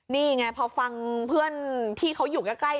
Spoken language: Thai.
นี่ไงพอฟังเพื่อนที่เขาอยู่ใกล้